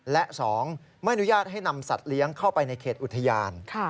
และ๒ไม่อนุญาตให้นำสัตว์เลี้ยงเข้าไปในเขตอุทยาน